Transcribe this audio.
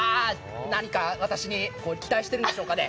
何か私に期待してるんでしょうかね。